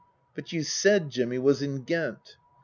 " But you said Jimmy was in Ghent."